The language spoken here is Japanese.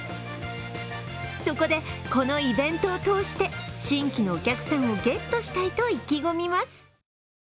そこで、このイベントを通して新規のお客さんをゲットしたいと意気込みます。